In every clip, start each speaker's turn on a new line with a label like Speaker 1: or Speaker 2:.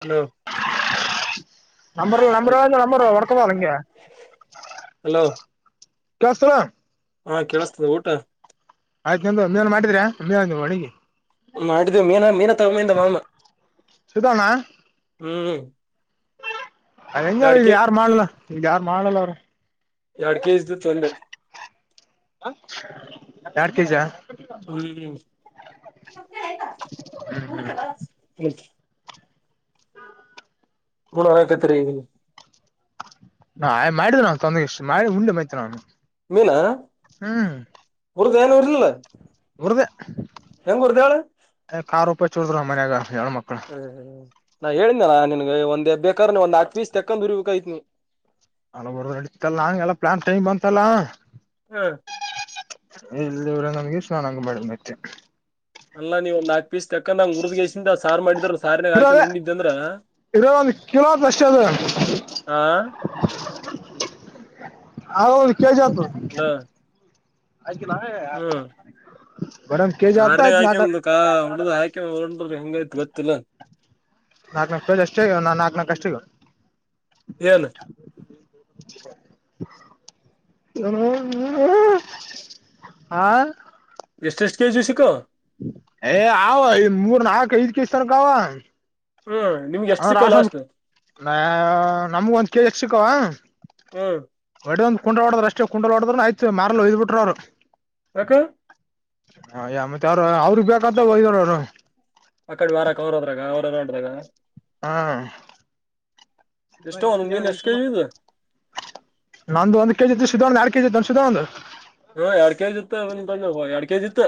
Speaker 1: Hello
Speaker 2: ನಂಬರ್ಲ್ಲ ನಂಬರಾದ number ಹೊಡ್ಕೋಳೋದ್ ಹೆಂಗೆ
Speaker 1: ಹಲೋ
Speaker 2: [unintelligible]
Speaker 1: ಹಾ ಕೇಳಸ್ತದ ಊಟ
Speaker 2: ಆಯ್ತು ನಿಮ್ದು ಮೇಲ್ ಮಾಡಿದ್ರ ಒಂದೇ ಒಂದು ಹೊಡಿಲಿ
Speaker 1: ಹ್ಮ್ ಮಾಡಿದ್ದೇವಿ ಮೀನ ಮೀನ ತಗಂಬಂದಿದ್ದ ಮಾಮ
Speaker 2: ಸುಧಣ್ಣ
Speaker 1: ಹ್ಮ್
Speaker 2: ಅ ಹೆಂಗ
Speaker 1: ಎರಡ್
Speaker 2: ಈ
Speaker 1: ಕೆ
Speaker 2: ಯಾರು ಮಾಡಲ್ಲ ಈ ಯಾರ್ು ಮಾಡಲ್ಲ ಅವ್ರ
Speaker 1: ಎರಡ್ ಕೆಜಿ ಇದ್ದಿತ್ತು ಒಂದೆ
Speaker 2: ಯಾರ್ ತೇಜ
Speaker 1: ಹ್ಮ್
Speaker 2: ಹ್ಮ್
Speaker 1: ಹುನ ಆೆ ತರಿ
Speaker 2: ನಾ ಮಾಡಿದ ನಾ ತೊಂದ್ರೆ ಇಷ್ಟ ಮಾಡಿ ಉಂಡೆ ಮೈ್ತ ನಾನು ಹ್ಮ್
Speaker 1: ಅವರು ದನೂಊರಿಲಲ್ಲ
Speaker 2: ಬದ
Speaker 1: ನ್ ಕುರುದಯಳ
Speaker 2: ಪ್ಪ ಚೂಡಿದ್ರ ಮನ್ಯಾಗ ಹೆಣ ಮಕ್ಳು
Speaker 1: ಹ್ಮ್ ಹ್ಮ್್ಮ ನಾ ಹೇಳಿದನ ನಿನ್ಗ ಒಂದೇ ಬೇಕಾದ್ರ ಒಂದ್ ಆ್ ವೀಸ್ ತೆಕೊಂಡ್ ಉರ್ಬೇಕಾಯತ್ನಿ
Speaker 2: ಅಲ್ಲ ಬರ್ ನಡ ನಂಗೆಲ್ಲಾ ಪ್ಲಾನ್ ಟೈಮ್ ಬಂತಲ್ಲ
Speaker 1: ಹ್ಮ
Speaker 2: ಎಲ್ಲಿವರ ನಮ್ಗೆ ಸ್ನಾನಂಗ ಮಾಡ ಮತ್ತೆ
Speaker 1: ಅಲ್ಲಾ ನೀವು ಒಂದ ನಾಕಕ್ ಪೀಸ್ ತಕಂದಂಗ ಹುರ್ದ್ಸಿಂದ ಸಾರ್ ಮಾಡಿದ್ರ ಸಾರನೆಾಗ ಹಾಕಿ
Speaker 2: ಇರೋದೆ
Speaker 1: ನುಂಡಿದ್ದಂದ್ರ
Speaker 2: ಇರೋ ಒಂದ್ ಕಿಲೋ ಆತ್ ಅಷ್ಟೇ ಅದು
Speaker 1: ಆ [inaudible]
Speaker 2: ಹ ಕ ಜತ
Speaker 1: ಅಲೋ
Speaker 2: ಆಯ್
Speaker 1: ಹ್ಮ್
Speaker 2: ಬಡ ಕೆಜಿ ಆತ
Speaker 1: ಕಾರ್ನಾಗ
Speaker 2: ಆಯ್ತು ನಾಟ
Speaker 1: ಹಾಕೊಂಡ್ ಕಾ ಹೊಡ್ದ ಹಾಕೊಂಡ್ ಹೊಂಡ್ರ ಹೆಂಗೈತ್ ಗೊತ್ತಿಲ್ಲ
Speaker 2: ನಾಕ್ ನಕಜ ಅಷ್ಟೇ ನಾ ನಾಕ್ ನಕು ಅಷ್ಟ
Speaker 1: ಯನು
Speaker 2: ಇ ಹ್ಮ ಹಾ
Speaker 1: ಎಷ್ಟ ಎಷ್ಟು ಕೆ ಜಿ ಸಿಕ್ಕೋ
Speaker 2: ಏ ಅವ ಇ ಮೂರ್ ನಾಲ್ಕ ಐದ್ ಕ ತನಕಾವ
Speaker 1: ಹ್ಮ್ ನಿಮ್ಗೆ
Speaker 2: ಅ
Speaker 1: ಎಷ್ಟ್ ಸಿಕ್ಕವ್
Speaker 2: ರಾಶ ಒಂದ
Speaker 1: ಲಾಸ್ಟ್
Speaker 2: ನಮಗ ಒಂದ್ ಕೆಜಿಕ್ ಸಿಕ್ಕವಾ
Speaker 1: ಹ್ಮ್
Speaker 2: ಒಡ ಒಂದ್ ಕುಂಡಾ ಹೊಡ್ರ್ ಅಷ್ಟೇ ಕುಂಡಾ ಹೊಡದ್ರ ಆಯ್ತ್ ಮಾರ್ಲ್ ಹಯ್ ಬಿಟ್ರರು್ರು
Speaker 1: ಯಕ
Speaker 2: ಹ ಯ ಮತ್ತ ಅವ್ರ ಅವ್ರಗ್ ಬೇಕಂತ ಹೊದಿದ್ರ ಅವರು
Speaker 1: ಅ ಕಡೆ ವಾರಕ ಅವ್ರೋದ್ರಾಗ ಅವ್ರ ನೋಡ್ರಾಗ
Speaker 2: ಹಾ
Speaker 1: ಎಷ್ಟೋ ಒಂದ್ ಮೀನ್ ಎಷ್ಟ್ ಕೆಜಿ ಇದು
Speaker 2: ನಂದು ಒಂದ್ ಕೆಜಿ ಇತ್ತು ತನ ಸ ದ ಅಧ
Speaker 1: ಹಾ ಎಡ್ ಕೆ ಜಿತ್ತ ಅವನ್ ತಗ ಹ ಎಡ್ ಕೆ ಜಿತ್ತ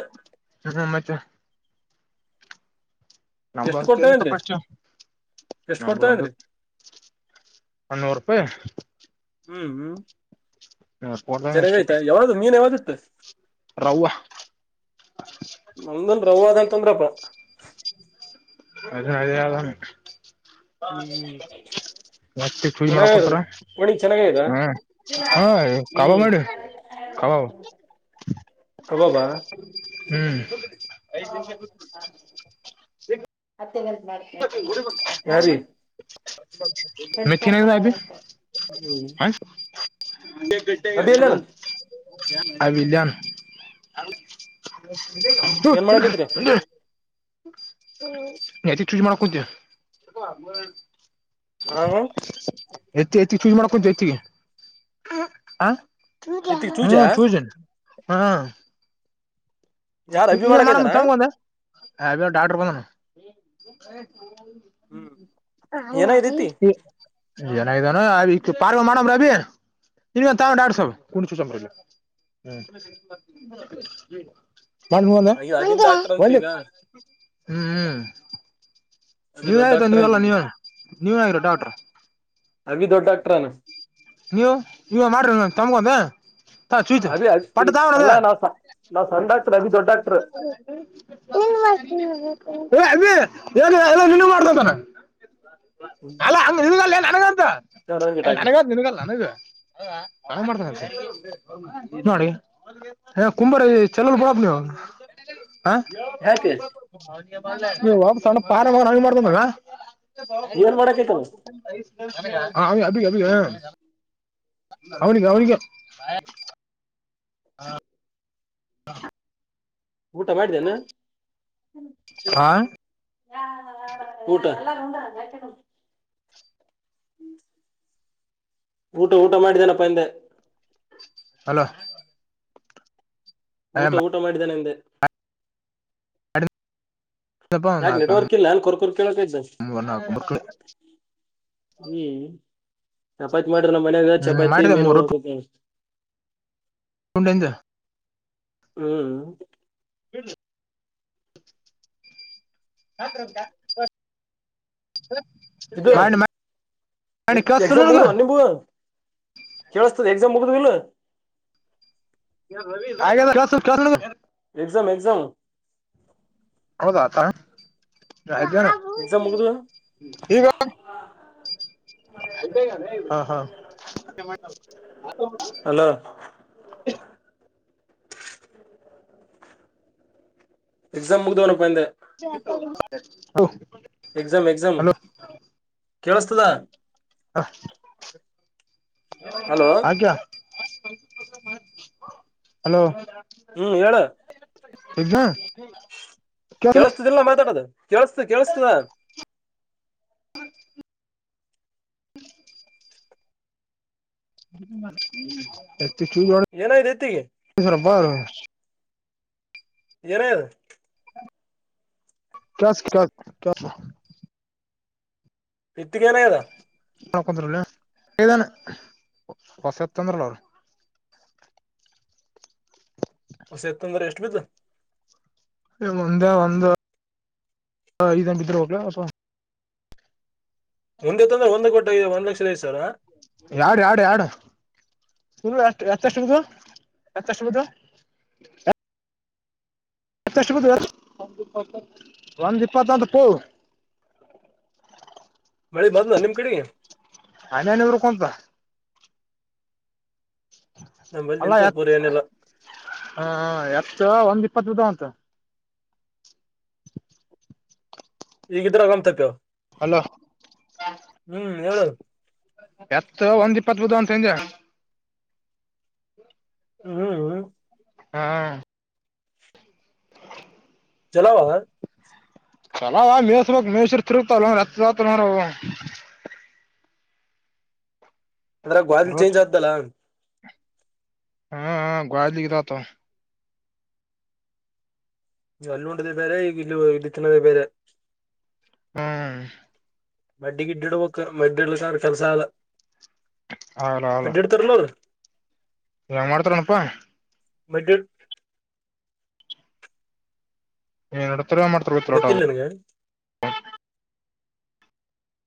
Speaker 2: ಹ್ಮ ಮತ್ತೆ ನಂಬ
Speaker 1: ಎಷ್ಟ್
Speaker 2: ಕೆತ್ತು
Speaker 1: ಕೊಡ್ತಾವೇನ್ರಿ
Speaker 2: ಪ
Speaker 1: ಎಷ್ಟ್
Speaker 2: ನಂಬತ್ತು ಒಂದು
Speaker 1: ಕೊಡ್ತಾವೇನ್ರಿ
Speaker 2: ಅನ್ನೂರು ರೂಪಾಯಿ ನೂರು ರೂಪಾಯಿ
Speaker 1: ಚರಿ
Speaker 2: ಅಷ್ಟೇ
Speaker 1: ಗಯತ ಯಾವದು ಮೀನ್ ಯವದು
Speaker 2: ರವ್ವ
Speaker 1: ನಮ್ದನ್ ರವದ ಅಂತಂದ್ರಪ್ಪ
Speaker 2: ಅದದ ಆಲ್ಲಾಮ
Speaker 1: ಹ್ಮ್
Speaker 2: ಮತ್ತ ಸೂಿ
Speaker 1: ಚೆನ್ನಾಗದು
Speaker 2: ಮಾಡಕೊತರ
Speaker 1: ಒಣಗ್ ಚೆನ್ನಾಗೈದ
Speaker 2: ಹ ಹ ಕಬಾ
Speaker 1: ಹ್ಮ್
Speaker 2: ಮಾಡಿ ಹ
Speaker 1: [inaudible] ಕಬಾಬಾ
Speaker 2: ಹ ಹ್ಮ್
Speaker 1: [unintelligible] ಯಾರಿ
Speaker 2: [unintelligible] ಮೆಥಿನ ಸಬಿ
Speaker 1: ಹ್ಮ್
Speaker 2: ಹ
Speaker 1: ಅಭಿ ಎಲ್ಲಾನ
Speaker 2: ಅಬಿಜನ್
Speaker 1: ಏನ್ ಮಾಡಕೈತ್ರಿ
Speaker 2: [inaudible] [unintelligible] ನತ ಚುಜ ಮಾಡಾರ ಕೊತ
Speaker 1: ಹ
Speaker 2: ಎತ್ತ ಎತ್ತ ಚೂಜ ಮಾಡ್ಕೊಂತು ತ್ತಗೆ ಹ
Speaker 1: ಇತ್ತಿಗ್ ಚೂಜಾ
Speaker 2: ಹ್ಮ ಚೂಜ ಹ್ಮ
Speaker 1: ಯಾರ್ ಅಭಿ
Speaker 2: ಇನ್ನ ಮಾಡಮ
Speaker 1: ಮಾಡಕೈತಾನ
Speaker 2: ತಮಂದ ಡಾಕ್ಟರ್ ಬಂದಣ
Speaker 1: ಹ್ಮ್
Speaker 2: ಕ
Speaker 1: ಏನಾಗೈತಿ
Speaker 2: ಏನಾಗಿದ್ದಾನ ಅ ಪಾರ್ವೆ ಮಾಡಮ ರ ಅಬೀ ಇ ತಡ್ಸ ಕುಣ ಚ್ರ ಹ್ಮ ಒಂದು
Speaker 1: ಈಗ ಅಭಿನ್ ಡಾಕ್ಟರ್ ಅಂತ
Speaker 2: ಹ್ಮ
Speaker 1: ಈಗ ಅಭಿ
Speaker 2: ನೀವ
Speaker 1: ದೊಡ್ಡ
Speaker 2: ಆಯತಾ
Speaker 1: ಡಾಕ್ಟರ್
Speaker 2: ನೀವೆಲ್ಲಾ
Speaker 1: ಅಂತ ಈಗ.
Speaker 2: ನೀವೇ ನೀವೇ ಆಗರ ಡಾಕ್ಟರ್
Speaker 1: ಅಭಿ ದೊಡ್ಡ ಡಾಕ್ಟ್ರನು
Speaker 2: ನೀವು ನೀವ ಮಾಡ್ರಿ ತಮಗೋದ
Speaker 1: ಅದಿ ಅ ಅಲ್ಲ ನಾ ನಾವು ಸಂದಾತ ಅಭಿ ದೊಡ್ಡ ಡಾಕ್ಟರ್
Speaker 2: ಇ ಮಾಡ ಅ ಏನು ನಿ ಮಾಡತ ಅಲ್ಲನ
Speaker 1: ನಂಗೆ ಟಾಕಿ
Speaker 2: ನನಗಾದ ನನ್ಗಲ್ಲ ನನಗ ನನ್ ಮಾಡ್ತೇನೆ ನೋಡಿ ಹ ಕುಂಬಾರ ಚಲೋಲ್ ಬಡಬ್ ನೀವು್ ಹ
Speaker 1: ಯಾಕೆ
Speaker 2: ನೀವುಾ್ಣ ಪಾರ ಮಾಡ ಚಲ ಹ
Speaker 1: ಏನ್ ಮಾಡಕೈತಲ್ಲ
Speaker 2: ಅ ಅಗ ಅವನ ಅವನಿಕ ಹ
Speaker 1: ಊಟ ಮಾಡಿದ್ದೇನೆ
Speaker 2: ಹಾ
Speaker 1: ಹ ಎಲ್ಲು ಉ ಊಟ ಊಟ ಮಾಡಿದ್ದೇನಪ್ಪ ಹಂದೆ
Speaker 2: ಅಲೋ
Speaker 1: ಊಟ ಊಟ ಮಾಡಿದ್ದನೆ ನಿಂಗ್ದೆ
Speaker 2: ಮಾಡಿದಪ್ಪ ಒಂದ್
Speaker 1: ಯಾಕ
Speaker 2: ನಾಲ್ಕು ಹಣ್ಣು,
Speaker 1: ನೆಟ್ವರ್ಕ್ ಇಲ್ಲ ನನ್ ಕೊರ್ಕರ್ ಕೇಳಕ ಇದ್ದ
Speaker 2: ಮೂರ್ ನಾಲ್ಕು ಮಕ್ಳು
Speaker 1: ಹ್ಮ್ ಚಪಾತಿ ಮಾಡ್ರ ನಮ್ಮ ಮನ್ಯಾಗ
Speaker 2: ಹ್ಮ್
Speaker 1: ಚಪಾತಿ
Speaker 2: ಮಾಡಿದೆ
Speaker 1: ಮೀನು ಹ ಉಕ
Speaker 2: ಂಡೈಂದ
Speaker 1: ಹ್ಮ್
Speaker 2: ಬ ಹಾ ಪ್ರಮದಾ
Speaker 1: ಇದು
Speaker 2: ಮಾಡಿ ಕೇಳಿಸ್ತಿಲ್ಲ
Speaker 1: ಎಕ್ಸಾಮ್ ಮೂ
Speaker 2: ನಿನಗ
Speaker 1: ನಿು ಕೇಳಿಸತದೆ ಎ ಮುಗದುಲ್ಲ
Speaker 2: ಹಾಗ
Speaker 1: ಎಸಾಮ ಎಕ್ಸಾಮ
Speaker 2: ಆ ಗ
Speaker 1: ಎಕ್ಸಾಮ್ ಮುಗ್ದು
Speaker 2: ಹಾ ಹಾ
Speaker 1: ಅಲೋ ಎಸಾಮ ಮುಲ್
Speaker 2: ಹ
Speaker 1: ಎಕ್ಸಾಮ್ ಎಕ್ಸಾಮ್ ಕೇಳಸ್ತದ
Speaker 2: ಹಾ
Speaker 1: ಹಲೋ
Speaker 2: ಆಕ್ಯಾ ಹಲೋ
Speaker 1: ಹ್ಮ್ ಹೇಳ
Speaker 2: ಸ
Speaker 1: ಕೇಳಸ್ತದಿಲ್ಲ ಮಾತಾಡದು ಕೇಳಿಸತ ಕೇಳಸ್ತದ
Speaker 2: ಎತ್ತಬ
Speaker 1: ಏನಾಯ್ದ ಇತ್ತಿಗೆ ನನು
Speaker 2: ಕ
Speaker 1: ತಟ್ಟಗನ ದಾ
Speaker 2: ೊಂದ ಾನ ಹೊಸತ್ೊಂದಲ್ಲ ಅವ್ರ
Speaker 1: ಹೊಸೆತ್ಂದ್ರೆ ಎಷ್ಟು ಬಿದ್ದ
Speaker 2: ಒಂದೆ ಒಂದ ಐದ ಬಿದ್ರೆ ಹೋಗ್ಲಾ ಅ
Speaker 1: ಮುಂದೆತ್ತ ಅಂದ್ರೆ ಒಂದ್ ಕೊಟ್ಟ ಒಂದ್ ಲಕ್ಷದಐತರ
Speaker 2: ಯಡು ಯಡು ಯಡು ಹ ಎತ್ತಷ್ಟುದು ಎತ್ತಷ್ಟುದು ಷ್ಟ ಒಂದ ಇಪ್ಪತ್ತ ಅಂತ ಪ
Speaker 1: ಮಿ ಮಾತ ನ ನಿಮ ಕಡಿ
Speaker 2: ಹನ್ಯಾನ ಇರ್ಕೊಂತ
Speaker 1: ನಮ್ಮಲ್ಲಿ
Speaker 2: ಅಲ್ಲ
Speaker 1: ನಿಂತ ಪೂರಿ
Speaker 2: ಎತ್
Speaker 1: ಏನಿಲ್ಲ
Speaker 2: ಹ ಎತ್ ಒಂದ್ ಇಪ್ಪತ್ತು ಬದ ಅಂತ [inaudible]
Speaker 1: ಈಗಿದ್ರೆ ಆಗಾಮ್ತತ
Speaker 2: ಹಲೋ
Speaker 1: ಹೇಳು
Speaker 2: ಎತ್ರ ಒಂದಪ್ಪತ್ ಬದ ತಜ
Speaker 1: ಹ್ಮ್ ಹ್ಮ್
Speaker 2: ಹಾ
Speaker 1: ಚಲವು ಸ
Speaker 2: ಚಲ ಮ ಮ್ವ ತಿರುಗ್ತಲ್ಲತಲ್ಲಾರ
Speaker 1: ಅಂದ್ರ ಗ್ವಲ್ಿ ಚೇಂಜ್ ಆದ್ದಲ್ಲ
Speaker 2: ಹಾ ಹಾ ಗಳಲಿದತ
Speaker 1: ಅಲ್ಲೊಂಡದೇ ಬೇರೆ ಈ ಇಲ್ಲಿ ಇಲ್ಲಿ ತಿನ್ನದೇ ಬೇರೆ
Speaker 2: ಹ್ಮ್
Speaker 1: ಮಡ್ಡಿ ಗಿಡ್ಡಡೆ ಮಡ್ಡಿ ಸ ಕೆಲಸಾಲ ಡ ಎಡು ತರಲರು
Speaker 2: ಯಾವ ಮಾಡ್ತಾರಣಪ್ಪಾ
Speaker 1: ಮದದ
Speaker 2: ನೀ ನೋಡ್ತರ್ವ ಮಾಡ್ತರ್ಬೇಕೋಟ
Speaker 1: ಗೊತ್ತಿಲ್ಲ ನನ್ಗೆ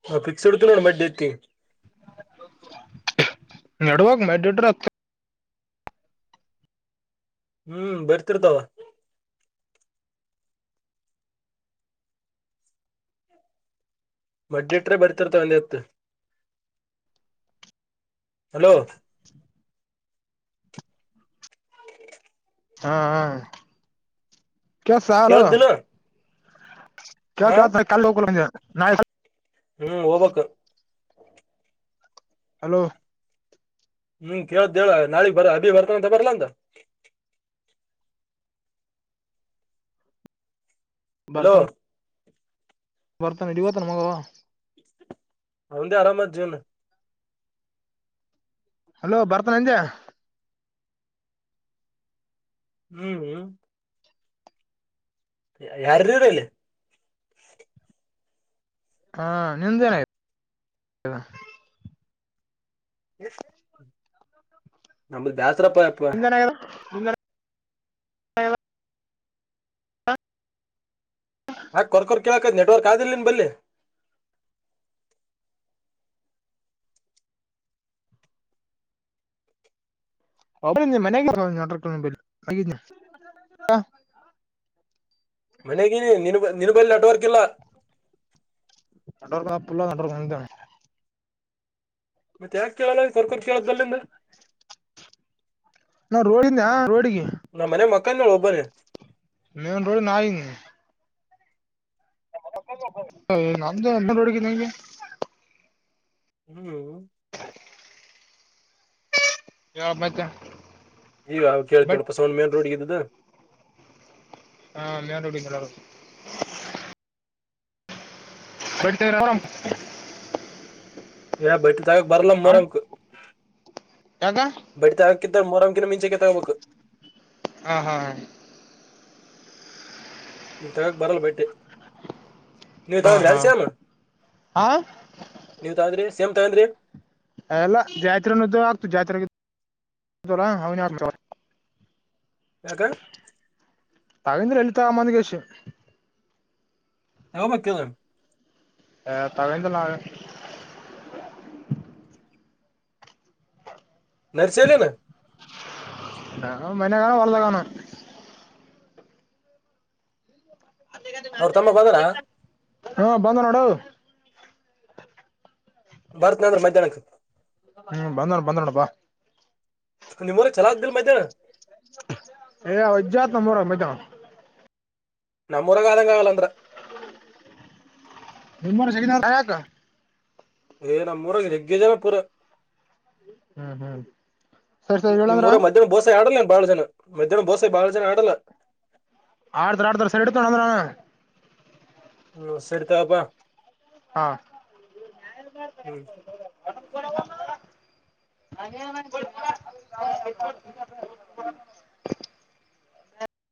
Speaker 1: ಹ ಪಿಕ್ಸ್ ಎಡ್ತ ನ ಮತಿ
Speaker 2: ನಡವಕ್ ಮ ದಡ್ ರ ಹತ್
Speaker 1: ಹ್ಮ್ ಬರ್ತಿರ್ತಾವ ಮಡ್ಡಿಟ್ರೆ ಬರ್ತಿರ್ತ ಒಂದ ಹತ್ತು ಹಲೋ
Speaker 2: ಹಾ ಕೆ ಸಾಲ
Speaker 1: ಕೇಳ್ದಿಲ್ಲ
Speaker 2: ಕವ
Speaker 1: ಹ
Speaker 2: ಚೆ ಕ ಹಕಲ ನ
Speaker 1: ಹ್ಮ್ ಹೋಗ್ಕ್
Speaker 2: ಹಲೋ
Speaker 1: ಹ್ಮ್ ಕೆೇಳ ದೇವ ನಳ ಭ ಅಬಿ ಭರ್ತ ತಬರ್ಲ್ಲಂತ ಹಲೋ
Speaker 2: ಬರ್ತನ್ ಇಡಿವತನ್ ಮಗವಾ
Speaker 1: ಹೌಂದ ಹರಾಮರ್ಜಿ ಒನ್ನ
Speaker 2: ಹಲೋ ಭರ್ತನಂಜ್ಯ
Speaker 1: ಹ್ಮ್ ಹ್ಮ ಯಾರರರಲ್ಲ
Speaker 2: ಹಾ ನಿಮ್ದೇನಯ್ತು
Speaker 1: ಎ ನಮ್ಮ ಬಸರಪ್ಪ ಇಪ್ಪ
Speaker 2: ಅಂದ
Speaker 1: ನಾ ಕೊರ್ಕರ್ ಕೇಳಕ ನೆಟ್ವರ್ಕ್ ಆದಿಲ್ಲ ನೀನ್ ಬಲ್ಲಿಿ
Speaker 2: ಮ
Speaker 1: ಮನೆಗ ನಿನು ನಿನು ಬಲ್ ನೆಟ್ವರ್ಕ್ ಇಲ್ಲ
Speaker 2: ನಡ್ರ್ ಪುಲ್ಲ ನಡ್
Speaker 1: ಮತ್ತೆ ಯಾಕೆ ಕೇಳಲ್ಲ ಕರ್ಕರ್ ಕೇಳ್ದ ಅಲ್ಲಿಂದ
Speaker 2: ನಾವು ರೋಡಿಂದ ರೋಡಿಗೆ
Speaker 1: ನ ಮನೆ ಮಕಾನ ನ ಒಬನೆ
Speaker 2: ನನ್ ರೋಡಿಿ ನಾಯಂಗ ಏ ನಂದ ನಡುಗೆಗೆ
Speaker 1: ಹ್ಮ್
Speaker 2: ಯಾವ ಮತ್ತ
Speaker 1: ಈವ ಕೇತೀವಳಲ್ಪ್ಪಸವ್ ಮೇನ್ ರೋಡ್ಿಗೆ ಇದ್ದು
Speaker 2: ಹಾ ಮೇಡ ಅಡಿ ಎಲ್ಲ ಕೊಡ್ತರರ
Speaker 1: ಯ ಬಟ್ಟಿ ತಗಾಗ ಬರಲ ಮೂರಂಕ್
Speaker 2: ಯಾಕ
Speaker 1: ಬಟ್ಟಿ ತ ತ್ತ ಮರಮ ಕಲ ಮೀಂಚೆ ಕೆತ್ತ ಹೋಗಬೇಕು
Speaker 2: ಹಾ ಹಾ ಹ
Speaker 1: ಈಗ ತಗಕ್ ಬರಲ್ ಬೈಟ್ಟೆ ನೀವ
Speaker 2: ಹಾ
Speaker 1: ತಗಂದ್ರಿ
Speaker 2: ಹಾ
Speaker 1: ಅದ ಸೇಮ್
Speaker 2: ಹಾ
Speaker 1: ನೀವ ತಗಂದ್ರಿ ಸೇಮ್ ತಗಂದ್ರಿ
Speaker 2: ಎಲ್ಲಾ ಜಾತ್ರರೆ ಆಗ್ತು ಜಾತ್ರೆ
Speaker 1: ಹದ
Speaker 2: ತಾವೇಂದ್ರ ಲಲಿತ ಆಮ್ಮಂದಿಗೆಸ
Speaker 1: ಹಮ್ಮ ಕೆಲ್ಲ
Speaker 2: ಹ ತಾವೇಂತಲ್ಲ
Speaker 1: ನರ್ಸಲಿ ನ
Speaker 2: ಹ ಮನ ಕಣ ವರ್ದ ಕಾನ
Speaker 1: ಅವರು ತಮ್ಮ ಬಂದರ
Speaker 2: ಹಾ ಬಂದ ನೋಡು
Speaker 1: ಭರತ್ನಂದ್ರ ಮೈ್ಯಾ್ನಕ್ಕೆ
Speaker 2: ಹ್ಮ್ ಬಂದೋಣ ಬಂದೋಡಪ್ಪಾ
Speaker 1: ನಿಮ್ಮೂರಾಗ ಚಲೋ ಆಗ್ದಿಲ್ಲ ಮಧ್ಯಾಹ್ನ
Speaker 2: ಅವಜ್ಜಾತ್ ನಮ್ಮರ ಮಜಾ
Speaker 1: ನಮ್ಮ ಮುರಗಾದಂಗಾಗಲ್ಲ ಅಂದ್ರೆ
Speaker 2: ನಿರು ಶಗ ಯಕ
Speaker 1: ಏ ನಮ್ಮೂರ ಹೆಗ್ಗ ಜನ ಪೂರ
Speaker 2: ಹ್ಮ್ ಹ್ಮ್ ಸರಿ ಸರಿ ಹೇಳಂದ್ರ
Speaker 1: ನಿಮ್ಮ್ೂಊರ ಮಧ್ಯಾಹ್ನ ಬೋಸ ಆಡಲ್ಲ ಬಾಳ ಜನ ಮೆದ್ಯಾಹ್ ಬೋಸಾಯ ಬಾಳ ಜನ ಆಡಲ್ಲ
Speaker 2: ಆಡ್ತಾರ ಆಡ್ತಾರ ಸರಿ ಇಡ್ತಾನ ಅಂದ್ರ
Speaker 1: ಹ್ಮ ಸರಿತಪಾ
Speaker 2: ಹಾ
Speaker 1: ಹ್ಮ್ [inaudible]
Speaker 2: ಅ